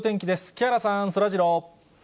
木原さん、そらジロー。